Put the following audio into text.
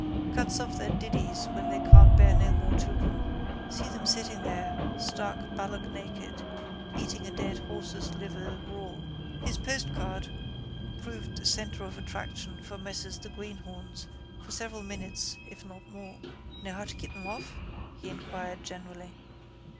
Cuts off their diddies when they can't bear no more children. See them sitting there stark ballocknaked eating a dead horse's liver raw. His postcard proved a centre of attraction for Messrs the greenhorns for several minutes if not more. —Know how to keep them off? he inquired generally.